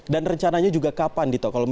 dan rencananya juga kapan dito